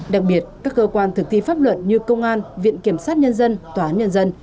đặc biệt các cơ quan thực thi pháp luật như công an viện kiểm sát nhân dân tòa án nhân dân